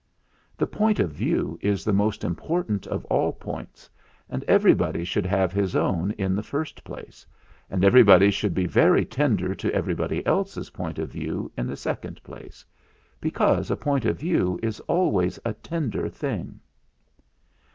The Point of View is the most important of all points, and everybody should have his own in the first place, and everybody should be very tender to everybody else's Point of View in the second place, because a Point of View is always a tender thing.